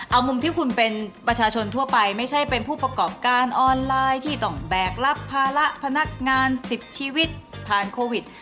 เอามุมที่คุณเป็นประชาชนทั่วไปไม่ใช่เป็นผู้ประกอบการออนไลน์ที่ต้องแบกรับภาระพนักงาน๑๐ชีวิตผ่านโควิด